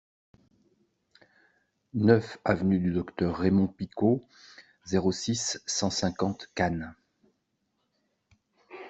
neuf avenue du Docteur Raymond Picaud, zéro six, cent cinquante, Cannes